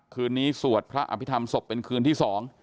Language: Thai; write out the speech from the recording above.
คืนนี้สวดพระอภิษฐรรมศพเป็นคืนที่๒